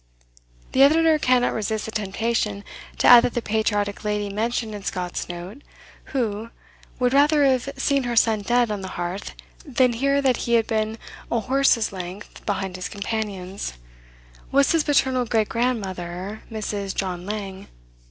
The Editor cannot resist the temptation to add that the patriotic lady mentioned in Scott's note, who "would rather have seen her son dead on that hearth than hear that he had been a horse's length behind his companions," was his paternal great grandmother, Mrs. John Lang.